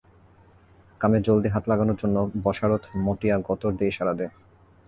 কামে জলদি হাত লাগানোর জন্য বশারত মটিয়া গতর দিয়ে ইশারা দেয়।